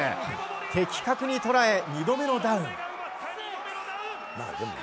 的確に捉え、２度目のダウン。